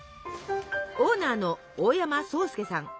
オーナーの大山颯介さん。